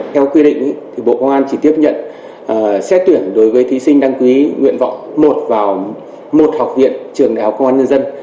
theo quy định bộ công an chỉ tiếp nhận xét tuyển đối với thí sinh đăng ký nguyện vọng một vào một học viện trường đại học công an nhân dân